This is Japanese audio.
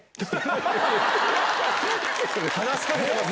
話しかけてます。